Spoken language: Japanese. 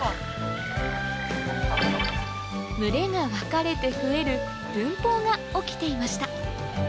群れが分かれて増える分蜂が起きていました